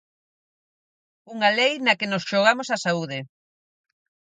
'Unha lei na que nos xogamos a saúde'.